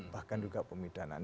bahkan juga pemidanan